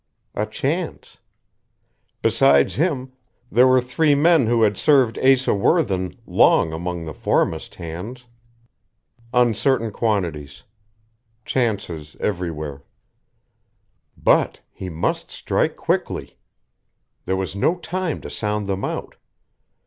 A chance. Besides him, there were three men who had served Asa Worthen long among the foremast hands. Uncertain quantities. Chances everywhere.... But he must strike quickly. There was no time to sound them out.